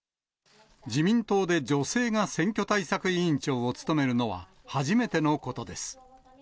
自民党で女性が選挙対策委員長を務めるのは、初めてのことです。